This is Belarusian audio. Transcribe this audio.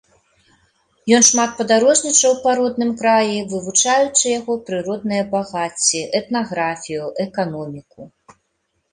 Ён шмат падарожнічаў па родным краі, вывучаючы яго прыродныя багацці, этнаграфію, эканоміку.